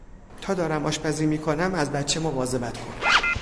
تا دارم آشپزی می کنم از بچه مواظبت کن.